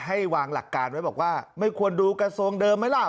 ให้วางหลักการไว้บอกว่าไม่ควรดูกระทรวงเดิมไหมล่ะ